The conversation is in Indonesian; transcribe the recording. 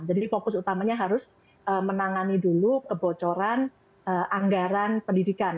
jadi fokus utamanya harus menangani dulu kebocoran anggaran pendidikan